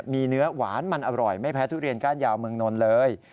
มีเนื้อหวานมันอร่อยไม่แพ้ทุเรียนก้านยาวเมืองนนท์เลย